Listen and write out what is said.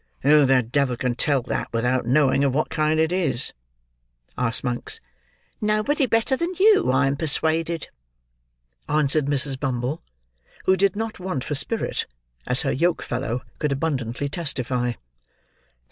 "Who the devil can tell that, without knowing of what kind it is?" asked Monks. "Nobody better than you, I am persuaded," answered Mrs. Bumble: who did not want for spirit, as her yoke fellow could abundantly testify.